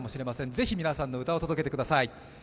ぜひ、皆さんの歌を届けてください